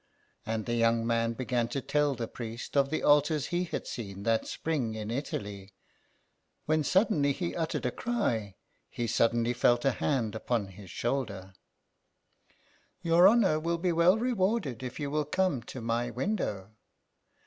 And the young man had begun to tell the priest of the altars he had seen that 113 H SOME PARISHIONERS. spring in Italy, when suddenly he uttered a cry ; he suddenly felt a hand upon his shoulder. *'Your honour will be well rewarded if you will come to my window.